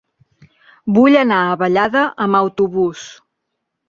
Vull anar a Vallada amb autobús.